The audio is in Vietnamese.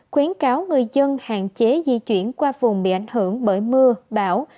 khuyến cáo người dân hạn chế di chuyển qua vùng bị ảnh hưởng bởi mưa bão